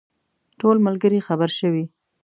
ټول ملګري خبر شوي.